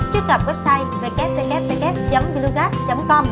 trước gặp website www glugas com